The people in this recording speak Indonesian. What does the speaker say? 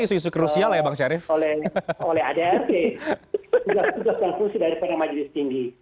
tugas tugas dan fungsi dari pada majelis tinggi